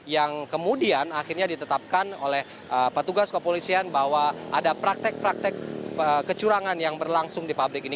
yang kemudian akhirnya ditetapkan oleh petugas kopolisian bahwa ada praktek praktek kecurangan yang berlangsung di pabrik ini